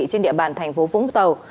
trên địa bàn thành phố vũng tàu